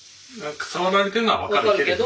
触られてるのは分かるけど。